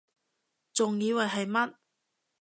仲以為係乜????